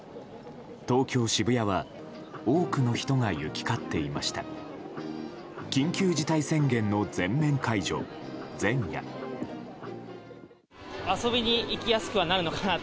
東京・渋谷は多くの人が行き交っていました。